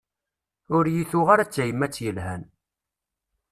Ur yi-tuɣ ara d tayemmat yelhan.